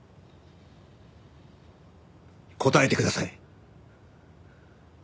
答えてください。